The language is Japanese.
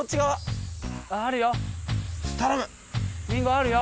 あるよ。